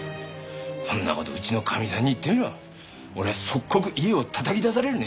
こんな事うちのかみさんに言ってみろ俺即刻家をたたき出されるね。